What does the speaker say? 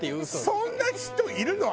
そんな人いるの？